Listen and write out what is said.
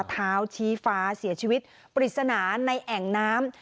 เท้าชี้ฟ้าเสียชีวิตปริศนาในแอ่งน้ำ